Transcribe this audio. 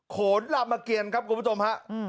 โขนลามเกียรครับคุณผู้ชมฮะ